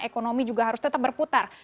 ekonomi juga harus tetap berputar